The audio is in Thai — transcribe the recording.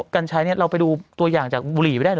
กัญชาเนี่ยเราไปดูตัวอย่างจากบุหรี่ไปได้หรือไหม